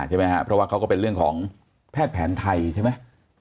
เพราะว่าเขาก็เป็นเรื่องของแพทย์แผนไทยใช่ไหม